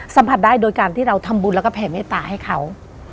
สัมผัสได้โดยการที่เราทำบุญแล้วก็แผ่เมตตาให้เขา